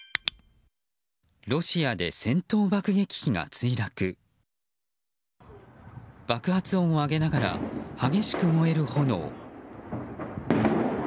爆発音を上げながら激しく燃える炎。